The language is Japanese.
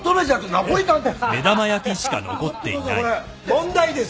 問題です。